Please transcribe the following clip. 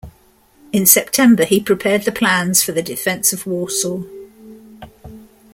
In September he prepared the plans for the defense of Warsaw.